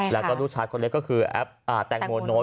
แล้วก็ลูกชายคนเล็กก็คือแอปแตงโมโน้ต